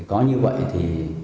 có như vậy thì